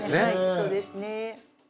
そうですね